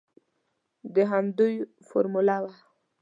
د همدوی فارموله وه.